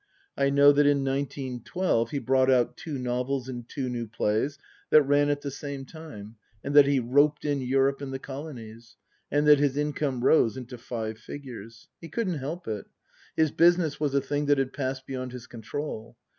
I know that in nineteen twelve he brought out two novels and two new plays that ran at the same time, and that he roped in Europe and the Colonies ; and that his income rose into five figures. He couldn't help it. His business was a thing that had passed beyond his control.